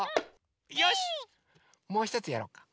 よしっもうひとつやろうか。